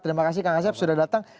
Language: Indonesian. terima kasih kang asep sudah datang